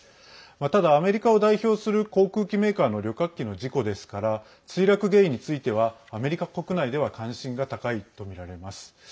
ただ、アメリカを代表する航空機メーカーの旅客機の事故ですから墜落の原因についてはアメリカ国内では関心が高いとみられます。